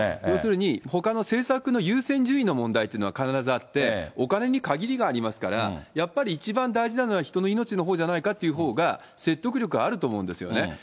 要するに、ほかの政策の優先順位の問題っていうのは必ずあって、お金に限りがありますから、やっぱり一番大事なのは、人の命のほうじゃないかっていうほうが説得力あると思うんですよね。